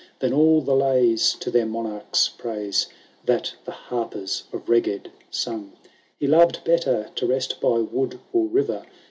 Than all the lays To their monarches praise That the harpers of Reged sung. He loved better to rest by wood or river.